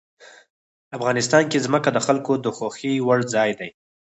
افغانستان کې ځمکه د خلکو د خوښې وړ ځای دی.